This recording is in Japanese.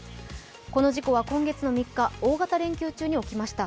この事故は今月３日、大型連休中に起きました。